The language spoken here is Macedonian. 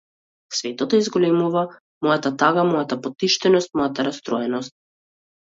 Светот ја зголемува мојата тага, мојата потиштеност, мојата растроеност.